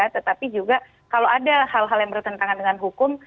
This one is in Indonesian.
tetapi juga kalau ada hal hal yang bertentangan dengan hukum